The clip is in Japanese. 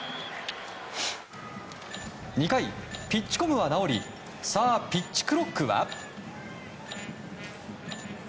２回、ピッチコムは直りさあ、ピッチクロックは？